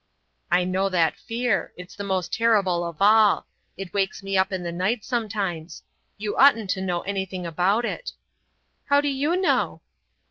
"I know that fear. It's the most terrible of all. It wakes me up in the night sometimes. You oughtn't to know anything about it." "How do you know?"